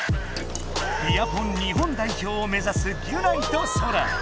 ビアポン日本代表をめざすギュナイとソラ。